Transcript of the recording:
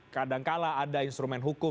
kadang kadang ada instrumen hukum